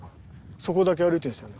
そこだけ歩いてるんですよ。